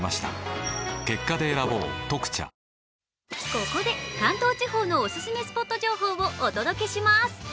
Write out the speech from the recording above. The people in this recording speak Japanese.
ここで関東地方のオススメスポット情報をお届けします。